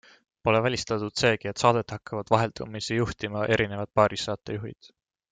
Pole välistatud seegi, et saadet hakkavad vaheldumisi juhtima erinevad paarissaatejuhid.